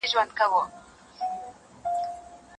که ونه نه سې یو نیالګی زرغونېدلای خوسې